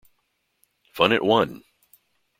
"Fun At One!